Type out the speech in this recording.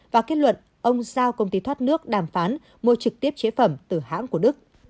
và kết luận ông giao công ty thoát nước đàm phán mua trực tiếp chế phẩm từ hãng của đức